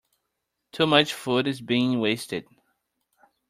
Too much food is being wasted.